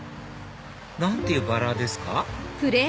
何ていうバラですか？